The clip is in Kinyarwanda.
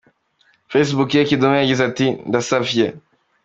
rwa facebook ye, Kidum yagize ati, Ndasavye.